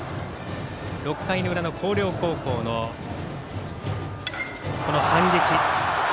６回の裏の広陵高校のこの反撃。